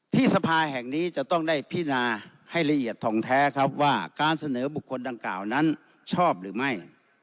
สภาแห่งนี้จะต้องได้พินาให้ละเอียดทองแท้ครับว่าการเสนอบุคคลดังกล่าวนั้นชอบหรือไม่